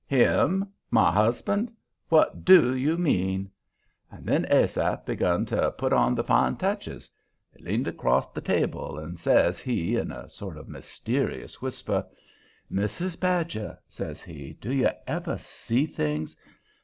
"HIM? My husband? What DO you mean?" And then Asaph begun to put on the fine touches. He leaned acrost the table and says he, in a sort of mysterious whisper: "Mrs. Badger," says he, "do you ever see things?